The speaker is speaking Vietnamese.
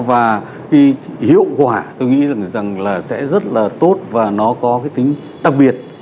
và cái hiệu quả tôi nghĩ rằng là sẽ rất là tốt và nó có cái tính đặc biệt